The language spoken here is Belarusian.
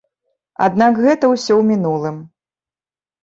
Аднак гэта ўсё ў мінулым.